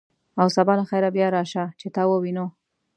او سبا له خیره بیا راشه، چې تا ووینو.